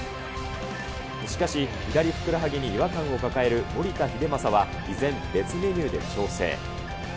しかし、左ふくらはぎに違和感を抱える守田英正は依然、別メニューで調整。